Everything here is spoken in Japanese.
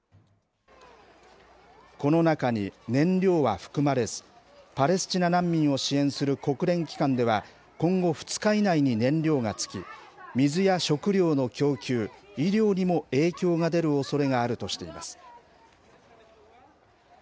この中に燃料は含まれず、パレスチナ難民を支援する国連機関では、今後２日以内に燃料が尽き、水や食料の供給、医療にも影響が出るおそれがあるとしています。